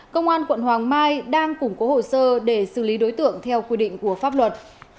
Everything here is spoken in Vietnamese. công an quận hoàng mai đang củng cố hồ sơ để xử lý đối tượng theo quy định của pháp luật